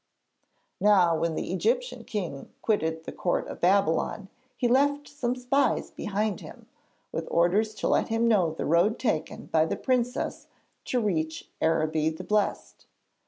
Now when the Egyptian king quitted the court of Babylon he left some spies behind him, with orders to let him know the road taken by the princess to reach Araby the Blest.